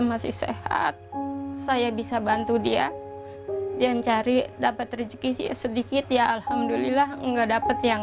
masih sehat saya bisa bantu dia dan cari dapat rezeki sedikit ya alhamdulillah nggak dapet yang